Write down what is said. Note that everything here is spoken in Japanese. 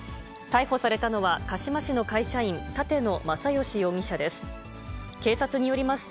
逮捕されたのは、鹿嶋市の会社員、立野正好容疑者です。